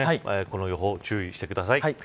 この予報、注意してください。